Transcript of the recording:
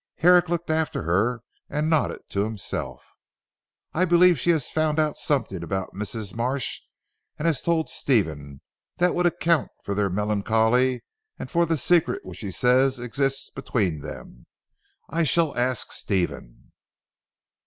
Herrick looked after her and nodded to himself. "I believe she has found out something about Mrs. Marsh, and has told Stephen; that would account for their melancholy and for the secret which she says exists between them. I shall ask Stephen."